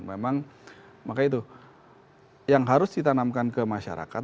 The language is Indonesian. memang maka itu yang harus ditanamkan ke masyarakat